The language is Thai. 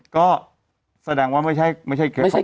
ก็แสดงว่าไม่ใช่เคส